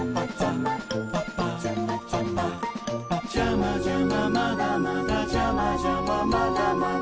「ジャマジャマまだまだジャマジャマまだまだ」